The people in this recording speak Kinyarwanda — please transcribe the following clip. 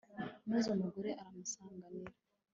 Maze umugore aramusanganira